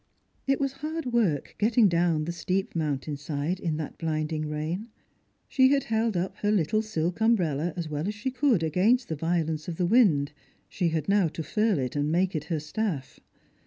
It was hard work getting down the steep mountain side in that blinding rain. She had held up her little silk umbrella aa well as she could against the violence of the wind — she had now to furl it and make it her staff.